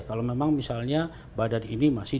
kalau memang misalnya badan ini masih